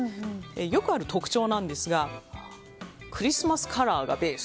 よくある特徴ですがクリスマスカラーがベース。